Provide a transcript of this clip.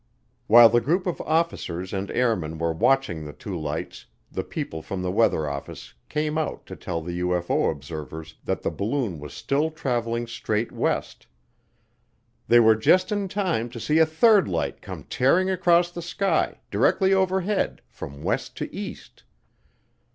While the group of officers and airmen were watching the two lights, the people from the weather office came out to tell the UFO observers that the balloon was still traveling straight west. They were just in time to see a third light come tearing across the sky, directly overhead, from west to east.